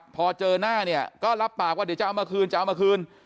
พอเจอหน้าเนี่ยก็รับปากว่าเดี๋ยวจะเอามาคืน